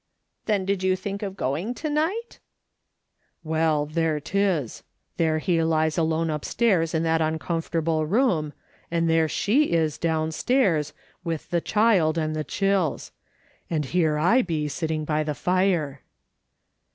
" Then did you think of going to night ?"" Well, there 'tis ; there he lies alone upstairs in that uncomfortable room, and there she is downstairs, with the child and the chills ; and here I be sitting by the fire."